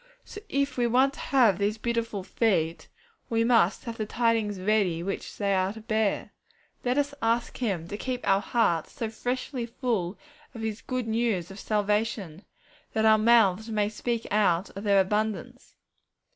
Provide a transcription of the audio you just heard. So if we want to have these beautiful feet, we must have the tidings ready which they are to bear. Let us ask Him to keep our hearts so freshly full of His good news of salvation, that our mouths may speak out of their abundance.